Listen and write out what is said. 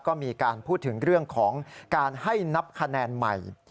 ก็มีการพูดถึงเรื่องของการให้นับคะแนนใหม่